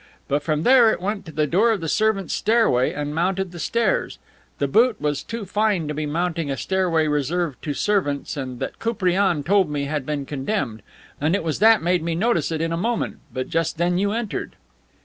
But from there it went to the door of the servants' stairway and mounted the stairs. That boot was too fine to be mounting a stairway reserved to servants and that Koupriane told me had been condemned, and it was that made me notice it in a moment; but just then you entered."